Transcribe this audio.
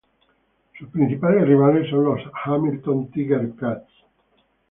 Sus principales rivales son los Hamilton Tiger-Cats.